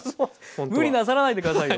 無理なさらないで下さいよ。